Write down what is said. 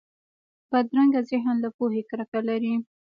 بدرنګه ذهن له پوهې کرکه لري